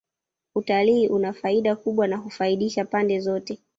Utalii una faida kubwa na hufaidisha pande zote